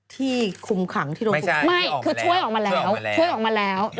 ที่ภูมิขังที่โรงแพพ